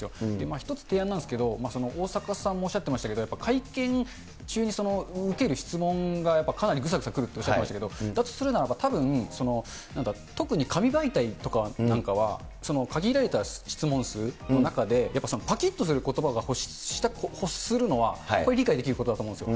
一つ提案なんですけど、大坂さんもおっしゃってましたけど、会見中に受ける質問がやっぱりかなりぐさぐさくるとおっしゃっていましたけれども、だとするならばたぶん、特に紙媒体なんかは、限られた質問数の中でやっぱぱきっとすることばを欲するのは、これ、理解できることだと思うんですよ。